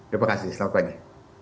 terima kasih selamat pagi